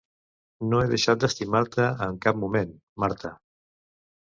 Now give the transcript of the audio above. No he deixat d'estimar-te en cap moment, Marta.